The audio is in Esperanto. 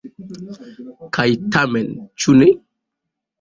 Kaj tamen, ĉu ne?